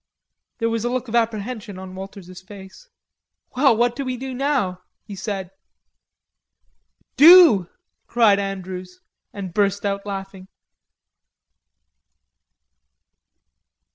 There was a look of apprehension on Walters's face. "Well, what do we do now?" he said. "Do!" cried Andrews, and he burst out laughing.